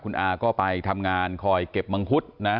คุณอาก็ไปทำงานคอยเก็บมังคุดนะ